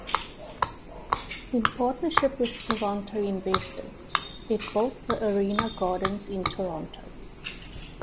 In a partnership with Toronto investors, it built the Arena Gardens in Toronto.